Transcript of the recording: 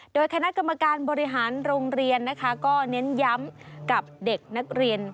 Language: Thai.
โดยคณะกรรมการบริหารโรงเรียนนะคะก็เน้นย้ำกับเด็กนักเรียน